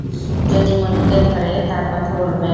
যদি মণিকে ধরে তার কথা বলবে?